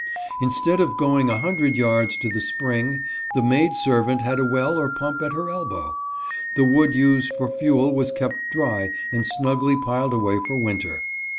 Instead of going a hundred yards to the spring, the maid servant had a well or pump at her elbow. The wood used for fuel was kept dry and snugly piled away for winter.